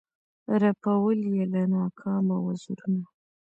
رپول یې له ناکامه وزرونه